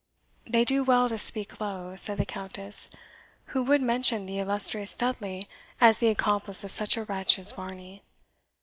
"They do well to speak low," said the Countess, "who would mention the illustrious Dudley as the accomplice of such a wretch as Varney.